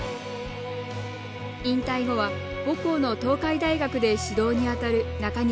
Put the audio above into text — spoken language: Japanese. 引退後は母校の東海大学で指導にあたる中西さん。